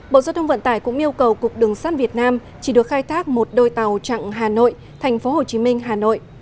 bộ giao thông vận tải cũng yêu cầu cục đường sắt việt nam chỉ được khai thác một đôi tàu chặng hà nội tp hcm hà nội